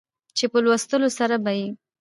چې په لوستلو سره به يې